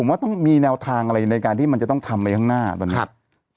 ผมว่าต้องมีแนวทางอะไรในการที่มันจะต้องทำไปข้างหน้าตอนนี้ครับ